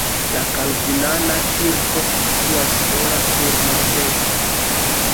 La kalvinana kirko situas sola sur monteto.